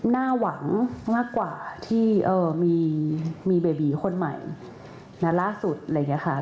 น่าหวังมากกว่าที่มีเบบีคนใหม่และล่าสุดอะไรอย่างนี้ค่ะ